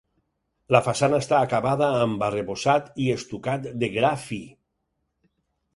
La façana està acabada amb arrebossat i estucat de gra fi.